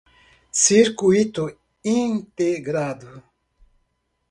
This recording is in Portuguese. Circuito integrado